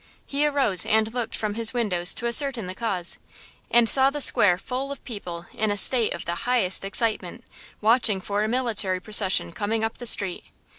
He arose and looked from his windows to ascertain the cause, and saw the square full of people in a state of the highest excitement, watching for a military procession coming up the street.